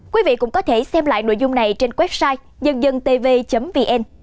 quý vị cũng có thể xem lại nội dung này trên website dân dântv vn